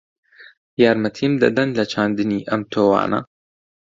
یارمەتیم دەدەن لە چاندنی ئەم تۆوانە؟